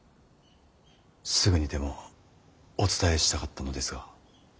すぐにでもお伝えしたかったのですが。